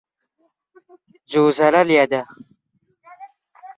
جوزەلە لێدە.